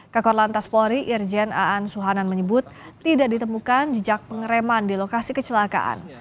kakor lantas polri irjen aan suhanan menyebut tidak ditemukan jejak pengereman di lokasi kecelakaan